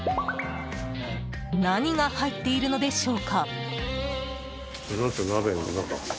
何が入っているのでしょうか。